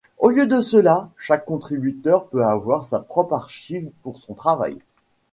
Au lieu de cela, chaque contributeur peut avoir sa propre archive pour son travail.